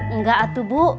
enggak atuh bu